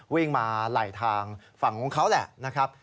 วิ่งมาไหลทางฝั่งของเขาแหละนะครับ